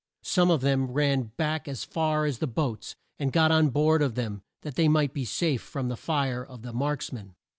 Some of them ran back as far as the boats, and got on board of them that they might be safe from the fire of the marks men.